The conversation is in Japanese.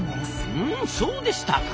うんそうでしたか。